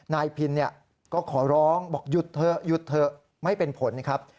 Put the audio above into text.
นายพินก็ขอร้องบอกหยุดเถอะหยุดเถอะไม่เป็นผลนะครับ